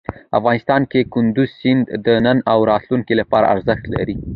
افغانستان کې کندز سیند د نن او راتلونکي لپاره ارزښت لري.